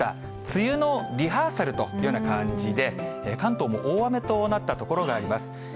梅雨のリハーサルというような感じで、関東も大雨となった所があります。